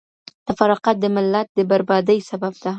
تفرقه د ملت د بربادۍ سبب ده.